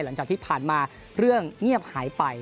หลังจากที่ผ่านมาเรื่องเงียบหายไป